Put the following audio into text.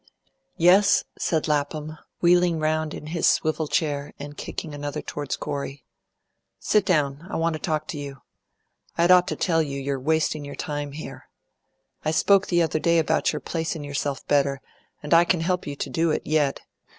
"Yes," said Lapham, wheeling round in his swivel chair and kicking another towards Corey. "Sit down. I want to talk to you. I'd ought to tell you you're wasting your time here. I spoke the other day about your placin' yourself better, and I can help you to do it, yet.